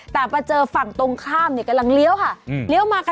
แต่ประเจอฝั่งตรงข้ามเนี่ยกำลังเลี้ยวค่ะอืม